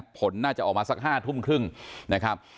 ผลน่าจะออกมาสัก๕ทุ่มครึ่งนะครับ